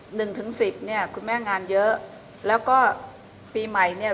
หนึ่งถึงสิบเนี่ยคุณแม่งานเยอะแล้วก็ปีใหม่เนี่ย